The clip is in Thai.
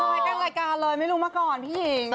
เรากำลังแรกการเลยไม่รู้มาก่อนพี่หญิง